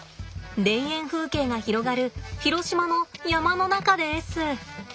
田園風景が広がる広島の山の中です。